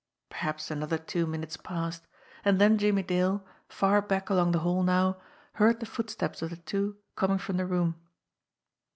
Perhaps another two minutes passed, and then Jimmie Dale, far back along the hall now, heard the footsteps of the two coming from the room.